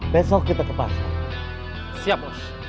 besok kita ke pasang siap